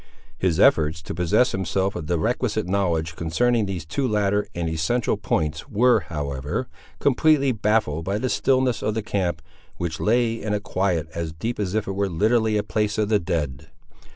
His efforts to possess himself of the requisite knowledge concerning these two latter and essential points were, however, completely baffled by the stillness of the camp, which lay in a quiet as deep as if it were literally a place of the dead.